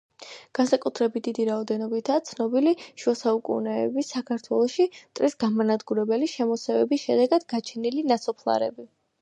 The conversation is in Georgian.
განსაკუთრებით დიდი რაოდენობითაა ცნობილი შუა საუკუნეების საქართველოში მტრის გამანადგურებელი შემოსევების შედეგად გაჩენილი ნასოფლარები.